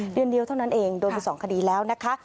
เดือนเดียวเท่านั้นเองโดนไป๒คดีแล้วนะคะ